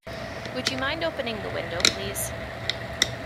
Would you mind opening the window, please?